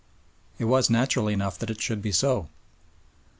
It was natural enough that it should be so.